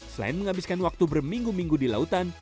selain menghabiskan waktu berminggu minggu di lautan